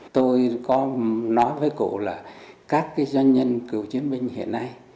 tôi có nói với cụ là các cái doanh nhân cựu chiến binh hiện nay